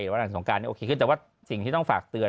วันหลังสงการนี้โอเคขึ้นแต่ว่าสิ่งที่ต้องฝากเตือน